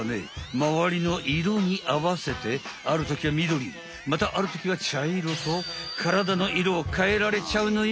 まわりの色にあわせてあるときはみどりまたあるときはちゃいろと体の色を変えられちゃうのよ！